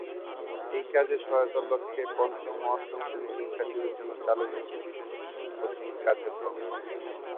এই কাজে সহায়তার লক্ষ্যে পঞ্চম ও অষ্টম শ্রেণীর শিক্ষার্থীদের জন্য চালু রয়েছে বিশেষ কোচিং কার্যক্রম।